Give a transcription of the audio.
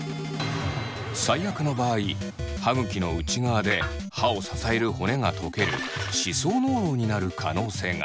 最悪の場合歯ぐきの内側で歯を支える骨が溶ける歯槽膿漏になる可能性が。